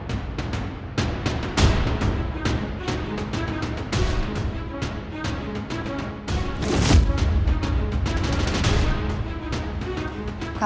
sampai jumpa lagi